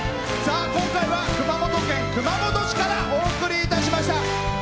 さあ今回は熊本県熊本市からお送りいたしました。